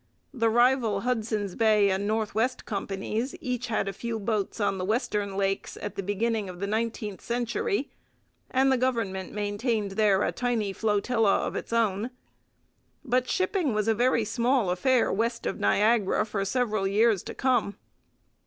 The rival Hudson's Bay and North West Companies each had a few boats on the western Lakes at the beginning of the nineteenth century, and the government maintained there a tiny flotilla of its own. But shipping was a very small affair west of Niagara for several years to come.